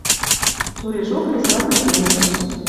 Турежок кресла пӧкенеш